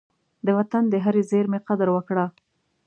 د وطن د هرې زېرمي قدر وکړه.